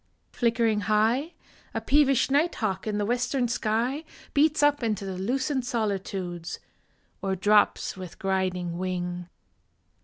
Flickering high, A peevish night hawk in the western sky Beats up into the lucent solitudes, Or drops with griding wing.